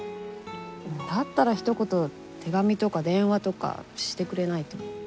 だったらひと言手紙とか電話とかしてくれないと。